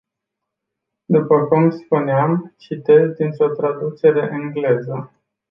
După cum spuneam, citez dintr-o traducere engleză.